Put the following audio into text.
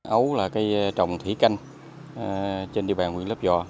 ấu là cây trồng thủy canh trên địa bàn quyển lắp dò